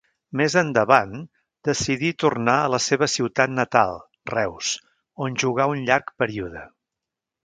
Més endavant, decidí tornar a la seva ciutat natal, Reus, on jugà un llarg període.